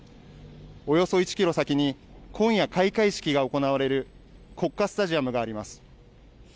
およそ１キロ先に、今夜開会式が行われる国家スタジアムがあります。